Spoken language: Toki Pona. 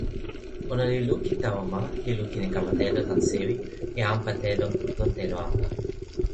ona li lukin tawa ma, li lukin e kama telo tan sewi, e anpa telo lon telo anpa.